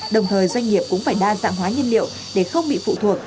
đồng thời doanh nghiệp cũng phải đa dạng hóa nhân liệu để không bị phụ thuộc